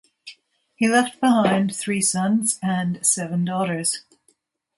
He left behind three sons and seven daughters.